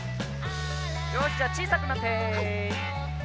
よしじゃあちいさくなって。